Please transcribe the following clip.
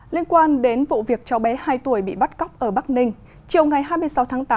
liên quan đến vụ việc cháu bé hai tuổi bị bắt cóc ở bắc ninh chiều ngày hai mươi sáu tháng tám